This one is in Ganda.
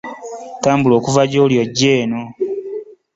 Tambula okuva gy'oli ojje eno.